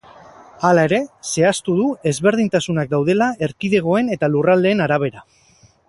Hala ere, zehaztu du ezberdintasunak daudela erkidegoen eta lurraldeen arabera.